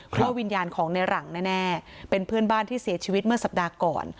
เพราะวิญญาณของในหลังแน่เป็นเพื่อนบ้านที่เสียชีวิตเมื่อสัปดาห์ก่อน